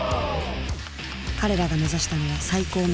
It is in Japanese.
彼らが目指したのは最高のマシン。